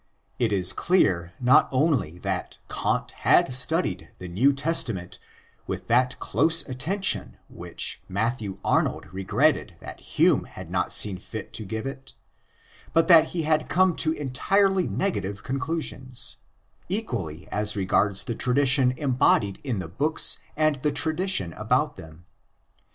It is clear not only that Kant had studied the New Testament with that close attention which Matthew Arnold regretted that Hume had not seen fit to give to it, but that he had come to entirely negative conclusions, equally as regards the tradition embodied in the books and the tradition about them.